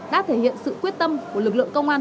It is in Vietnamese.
đã thể hiện sự quyết tâm của lực lượng công an